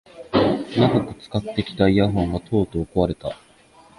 長く使ってきたイヤホンがとうとう壊れた